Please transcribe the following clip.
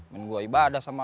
minum gue ibadah sama